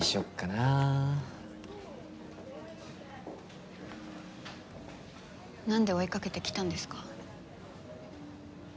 なんで追いかけてきたんですか？